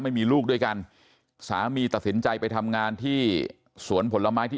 ไม่มีลูกด้วยกันสามีตัดสินใจไปทำงานที่สวนผลไม้ที่